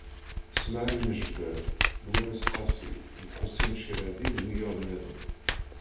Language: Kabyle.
Smaɛil Meǧber, Lwennas Qasi d Ḥusin Cerradi d wiyaḍ-nniḍen.